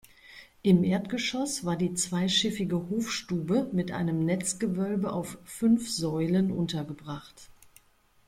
Im Erdgeschoss war die zweischiffige Hofstube mit einem Netzgewölbe auf fünf Säulen untergebracht.